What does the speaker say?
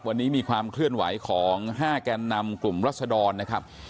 วันนี้มีความเคลื่อนไหวของ๕แกนนำกลุ่มรัศดรนะครับ